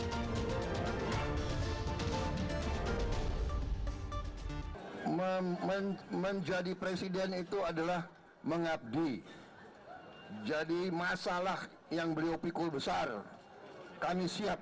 hai memen menjadi presiden itu adalah mengabdi jadi masalah yang beliau pikul besar kami siap